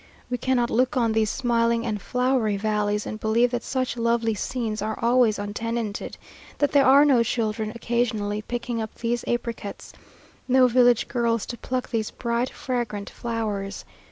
We cannot look on these smiling and flowery valleys, and believe that such lovely scenes are always untenanted that there are no children occasionally picking up these apricots no village girls to pluck these bright, fragrant flowers.